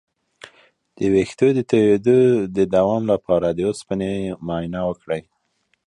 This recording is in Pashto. د ویښتو د تویدو د دوام لپاره د اوسپنې معاینه وکړئ